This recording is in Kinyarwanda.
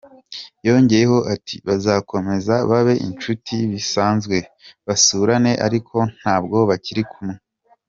Yongeyeho ati “Bazakomeza babe inshuti bisanzwe, basurane, ariko ntabwo bakiri kumwe…”.